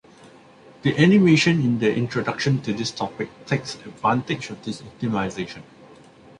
The animation in the introduction to this topic takes advantage of this optimization.